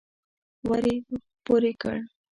ور يې پورې کړ.